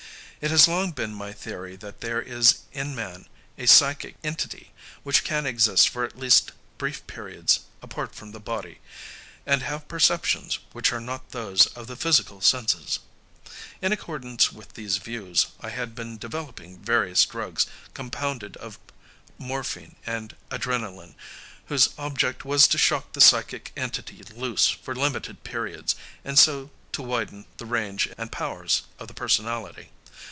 It has long been my theory that there is in man a psychic entity which can exist for at least brief periods apart from the body, and have perceptions which are not those of the physical senses. In accordance with these views, I had been developing various drugs, compounded of morphine and adrenalin, whose object was to shock the psychic entity loose for limited periods and so to widen the range and powers of the personality.